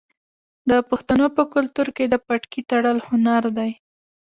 د پښتنو په کلتور کې د پټکي تړل هنر دی.